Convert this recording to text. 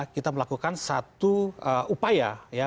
kita melakukan satu upaya ya